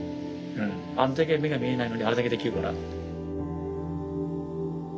あんだけ目が見えないのにあれだけできるから。